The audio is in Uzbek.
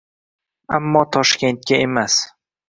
Ammo Toshkentga emas